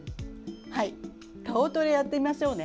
顔トレをやってみましょうね。